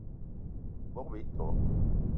Bogb-ito